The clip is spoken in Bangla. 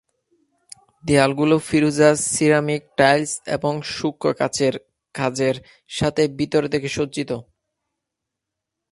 দেয়ালগুলো ফিরোজা সিরামিক টাইলস এবং সূক্ষ্ম কাচের কাজের সাথে ভিতরে থেকে সজ্জিত।